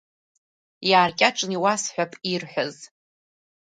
Иааркьаҿны иуасҳәап ирҳәаз.